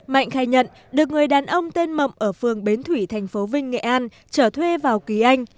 mạnh khai nhận được người đàn ông tên mậm ở phường bến thủy tp vinh nghệ an trở thuê vào ký anh